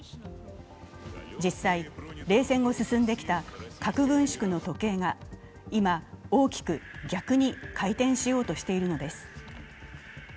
実際、冷戦後進んできた核軍縮の時計が今、大きく逆に回転しようとしているのです。